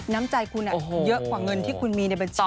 น้ำใจคุณเยอะกว่าเงินที่คุณมีในบัญชี